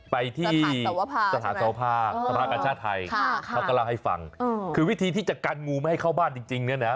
ไปที่สถานสภาธรกชาติไทยเขาก็เล่าให้ฟังคือวิธีที่จะกันงูไม่ให้เข้าบ้านจริงเนี่ยนะ